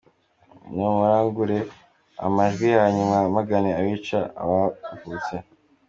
Ni murangurure amajwi yanyu mwamagane abica abavutse.